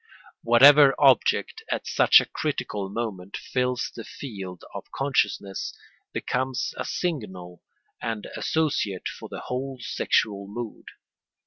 Whatever object, at such a critical moment, fills the field of consciousness becomes a signal and associate for the whole sexual mood.